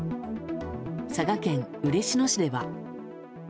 佐賀県嬉野市では。